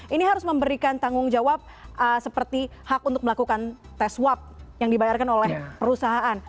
ini harus memberikan tanggung jawab seperti hak untuk melakukan tes swab yang dibayarkan oleh perusahaan